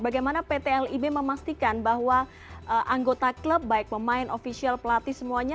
bagaimana pt lib memastikan bahwa anggota klub baik pemain ofisial pelatih semuanya